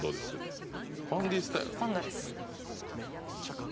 「パンダです」。